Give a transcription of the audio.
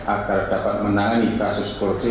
agar dapat menangani kasus korupsi